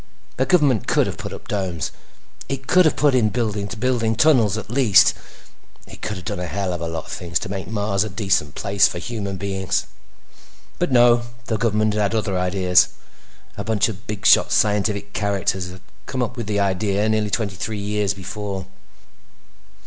The government could have put up domes; it could have put in building to building tunnels, at least. It could have done a hell of a lot of things to make Mars a decent place for human beings. But no—the government had other ideas. A bunch of bigshot scientific characters had come up with the idea nearly twenty three years before.